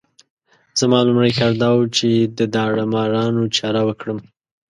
زما لومړی کار دا وو چې د داړه مارانو چاره وکړم.